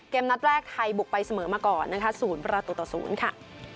นัดแรกไทยบุกไปเสมอมาก่อนนะคะ๐ประตูต่อ๐ค่ะ